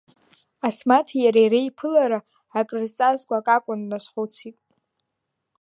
Асмаҭи иареи реиԥылара акрызҵазкуа акакәын дназхәыцит.